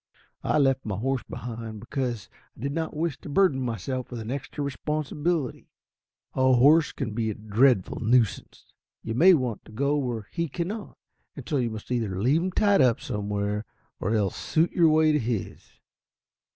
I left my horse behind, because I did not wish to burden myself with an extra responsibility. A horse can be a dreadful nuisance. You may want to go where he cannot, and so you must either leave him tied up somewhere, or else suit your way to his.